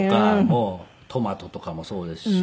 もうトマトとかもそうですし。